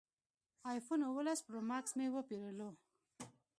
ایفون اوولس پرو ماکس مې وپېرلو